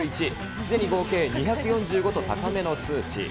すでに合計２４５と高めの数値。